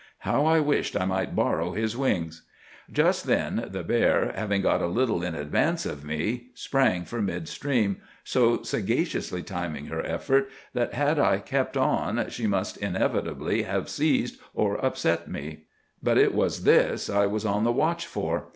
How I wished I might borrow his wings! Just then the bear, having got a little in advance of me, sprang for mid stream, so sagaciously timing her effort that had I kept on she must inevitably have seized or upset me. But it was this I was on the watch for.